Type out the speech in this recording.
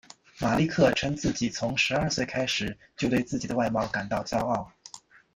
马利克称自己从十二岁开始就对自己的外貌感到骄傲。